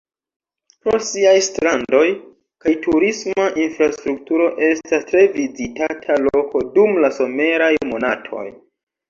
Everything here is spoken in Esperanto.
Pro siaj strandoj kaj turisma infrastrukturo estas tre vizitata loko dum la someraj monatoj.